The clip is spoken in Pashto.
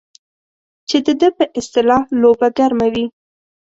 چې د ده په اصطلاح لوبه ګرمه وي.